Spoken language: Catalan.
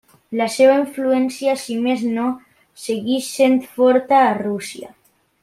La seva influència, si més no, segueix sent forta a Rússia.